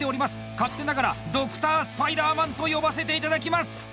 勝手ながらドクター・スパイダーマンと呼ばせていただきます！